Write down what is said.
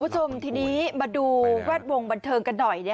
คุณผู้ชมทีนี้มาดูแวดวงบันเทิงกันหน่อย